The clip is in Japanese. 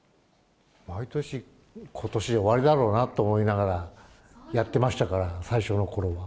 毎年、ことし終わりだろうなと思いながらやってましたから、最初のころは。